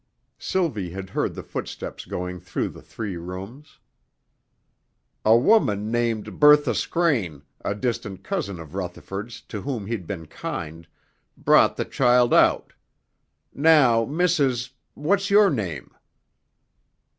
Sylvie had heard the footsteps going through the three rooms. "A woman named Bertha Scrane, a distant cousin of Rutherford's to whom he'd been kind, brought the child out. Now, Missis what's your name?"